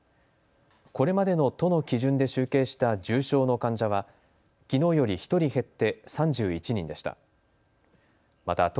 これまでの都の基準で集計した重症の患者はきのうより１人減って３１人でした。